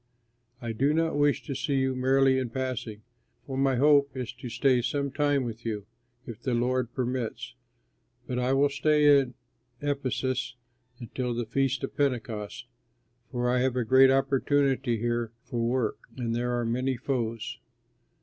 I do not wish to see you merely in passing, for my hope is to stay some time with you, if the Lord permits. But I will stay in Ephesus until the Feast of Pentecost, for I have a great opportunity here for work, and there are many foes.